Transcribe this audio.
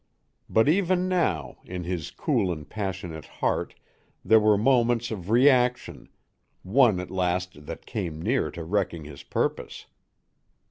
But even now, in his cool and passionate heart there were moments of reaction, one at last that came near to wrecking his purpose.